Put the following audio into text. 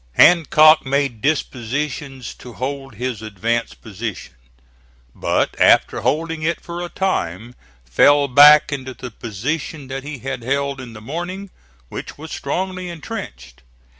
Hancock made dispositions to hold his advanced position, but after holding it for a time, fell back into the position that he had held in the morning, which was strongly intrenched.